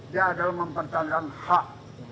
dia adalah mempertandang hak